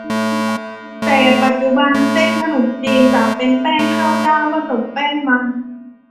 แต่ปัจจุบัน เส้นขนมจีนจะเป็นแป้งข้าวเจ้า ผสมแป้งมัน